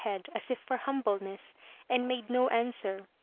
43 liead as if for humbleness, and made no answer.